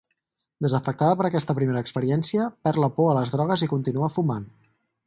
Desafectada per aquesta primera experiència, perd la por a les drogues i continua fumant.